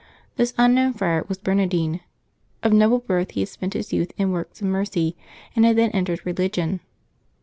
This unknown friar was Bernard ine. Of noble birth, he had spent his youth in works of mercy, and had then entered religion.